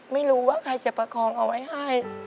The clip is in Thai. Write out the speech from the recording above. ไม่รู้ว่าใครจะประคองเอาไว้ให้